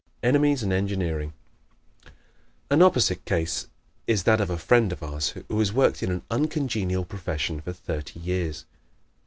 Enemies and Engineering ¶ An opposite case is that of a friend of ours who has worked in an uncongenial profession for thirty years.